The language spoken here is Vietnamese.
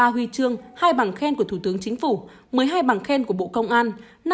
ba huy chương hai bằng khen của thủ tướng chính phủ một mươi hai bằng khen của bộ công an